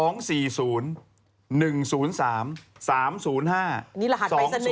นี่ระหัดไปเสน่ห์แล้วเยอะ